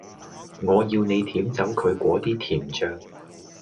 我要你舔走佢果啲甜醬